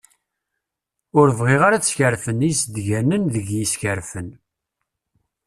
Ur bɣiɣ ara ad skerfen izeddganen deg yiskerfen.